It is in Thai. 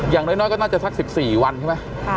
อย่างน้อยก็น่าจะสัก๑๔วันใช่ไหม